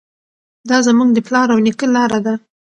دا زموږ د پلار او نیکه لاره ده.